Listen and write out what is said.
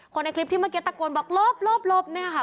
ในคลิปที่เมื่อกี้ตะโกนบอกลบเนี่ยค่ะ